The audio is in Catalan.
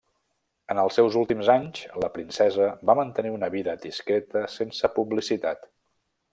En els seus últims anys, la princesa va mantenir una vida discreta sense publicitat.